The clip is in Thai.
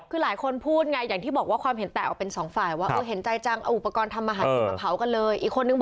คือหลายคนพูดไงอย่างที่บอกว่าความเห็นแตะออกเป็น๒ฝ่าย